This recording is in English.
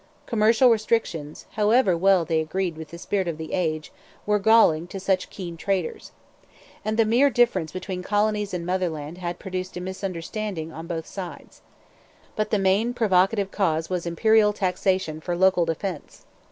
Commercial restrictions, however well they agreed with the spirit of the age, were galling to such keen traders. And the mere difference between colonies and motherland had produced misunderstandings on both sides. But the main provocative cause was Imperial taxation for local defence.